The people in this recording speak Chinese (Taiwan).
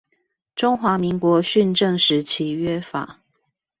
中華民國訓政時期約法